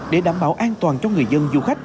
để đảm bảo an toàn cho người dân du khách